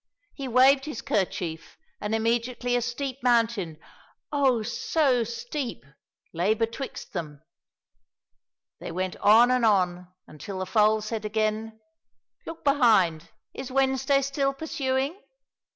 He waved his kerchief, and immediately a steep mountain — oh, so steep !— lay betwixt them. They went on and on, until the foal said again, '' Look behind, is Wednesday still pursuing